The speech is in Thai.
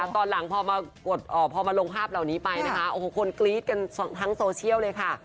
ตอนหลังพอมาลงภาพเหล่านี้ไปนะคะโอ้โหคนกรี๊ดกันทั้งโซเชียลเลยค่ะ